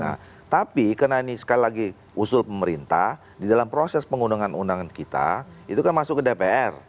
nah tapi karena ini sekali lagi usul pemerintah di dalam proses pengundangan undangan kita itu kan masuk ke dpr